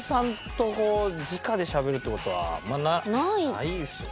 ないですよね。